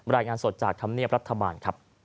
รายงานสดจากคำเนียบรัฐบาล